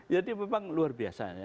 jadi memang luar biasa